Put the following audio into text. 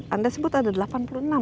anda sebut ada delapan puluh enam